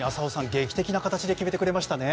劇的な形で決めてくれましたね。